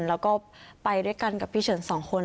แล้วก็ไปด้วยกันกับพี่เฉินสองคน